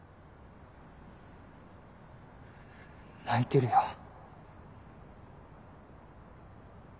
泣いてるよ。